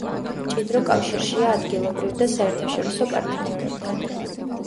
მჭიდრო კავშირშია ადგილობრივ და საერთაშორისო პარტნიორებთან.